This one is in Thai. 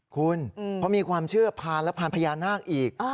คุณเพราะมีความเชื่อพานและพานพญานาคอีก